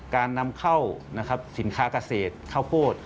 การนำเข้าสินค้าเกษตรข้าวโพด